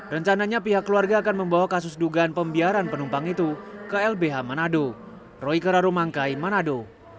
rencananya pihak keluarga akan membawa kasus dugaan pembiaran penumpang itu ke lbh manado